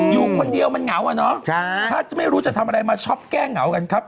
อยู่คนเดียวมันเหงาอะเนาะถ้าจะไม่รู้จะทำอะไรมาช็อปแก้เหงากันครับ